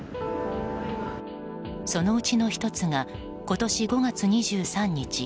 そのうちの１つが今年５月２３日